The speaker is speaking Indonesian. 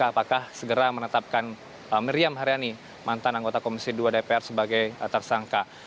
apakah segera menetapkan miriam haryani mantan anggota komisi dua dpr sebagai tersangka